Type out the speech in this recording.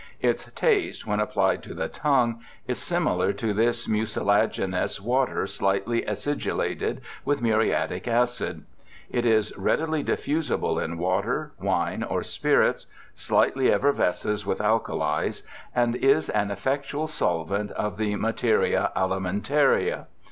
Its taste, when applied to the tongue, is similar to this mucilaginous water slightly acidulated with muriatic acid. It is readily diffusible in water, wine, or spirits ; slightly effervesces with alkalis ; and is an effectual solvent of the materia alimentaria.